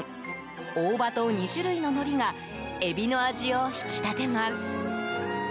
大葉と２種類ののりがエビの味を引き立てます。